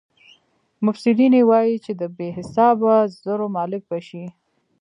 مبصرین یې وايي چې د بې حسابه زرو مالک به شي.